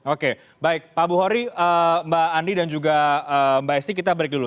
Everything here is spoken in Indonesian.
oke baik pak buhori mbak andi dan juga mbak esti kita break dulu